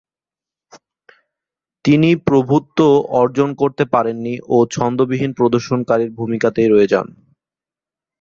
তিনি প্রভূত্বঃ অর্জন করতে পারেননি ও ছন্দবিহীন প্রদর্শনকারীর ভূমিকাতেই রয়ে যান।